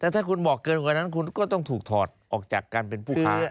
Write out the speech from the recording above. แต่ถ้าคุณบอกเกินกว่านั้นคุณก็ต้องถูกถอดออกจากการเป็นผู้ค้า